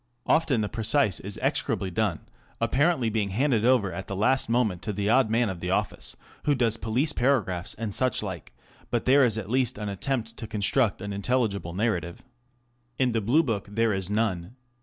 Often the precis is execrably done, apparently being handed over at the last moment to the odd man of the office, who does police paragraphs and such like, but there is at least an attempt to construct an intelligible narrative* In the Blue Book there is none.